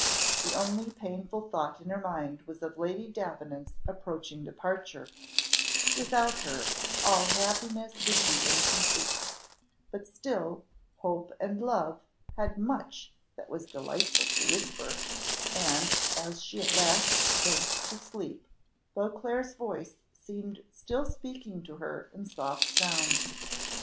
The only painful thought in her mind was of Lady Davenant's approaching departure; without her, all happiness would be incomplete; but still, hope and love had much that was delightful to whisper, and, as she at last sank to sleep, Beauclerc's voice seemed still speaking to her in soft sounds.